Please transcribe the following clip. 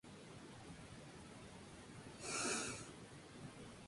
Municipalidad de Antofagasta.